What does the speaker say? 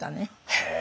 へえ。